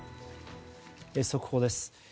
速報です。